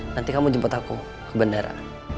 nanti kamu jemput aku ke bandara